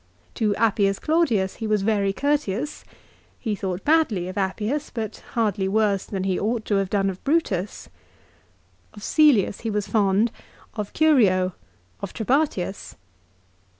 To Appius Claudius he was very courteous. He thought badly of Appius, but hardly worse than he ought to have done of Brutus. Of Cselius he was fond, of Curio, of Trebatius.